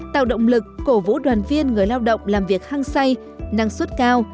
tạo động lực cổ vũ đoàn viên người lao động làm việc hăng say năng suất cao